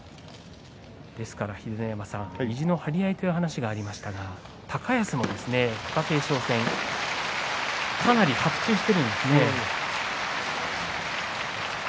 ですから、秀ノ山さん意地の張り合いという話がありましたが高安も貴景勝戦かなり伯仲しているんですね。